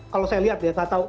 kalau saya lihat ya